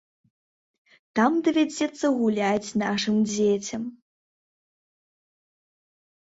Там давядзецца гуляць нашым дзецям.